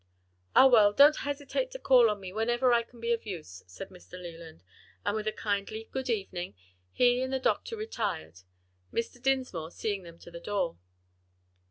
"Ah, well, don't hesitate to call upon me whenever I can be of use," said Mr. Leland, and with a kindly "Good evening," he and the doctor retired, Mr. Dinsmore seeing them to the door.